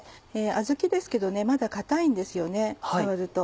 あずきですけどまだ硬いんですよね触ると。